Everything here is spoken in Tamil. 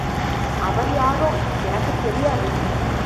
அவர் யாரோ, எனக்குத் தெரியாது.